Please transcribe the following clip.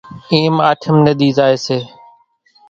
اِي آٺم ني ۮي زائي سي،